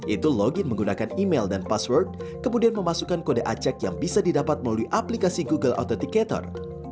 itu login menggunakan email dan password kemudian memasukkan kode aceh yang bisa didapat melalui aplikasi google authenticator